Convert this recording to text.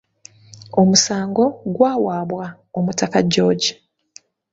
Omusango gwawaabwa Omutaka George.